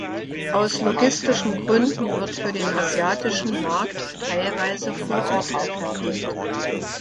Aus logistischen Gründen wird für den asiatischen Markt teilweise vor Ort gefertigt.